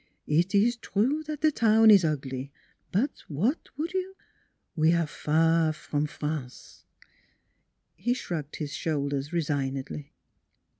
It is true that the town is ugly; but what would you? We are far from France." He shrugged his shoulders resignedly.